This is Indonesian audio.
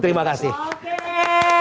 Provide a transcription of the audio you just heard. terima kasih oke